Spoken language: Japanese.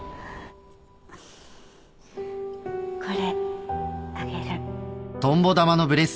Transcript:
これあげる